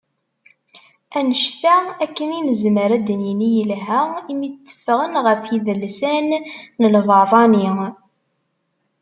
Annect-a akken i nezmer ad d-nini yelha imi tteffɣen ɣef yidelsan n lbeṛṛani.